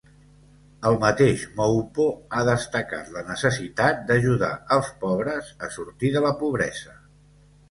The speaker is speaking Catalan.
El mateix Moupo ha destacat la necessitat d'ajudar els pobres a sortir de la pobresa.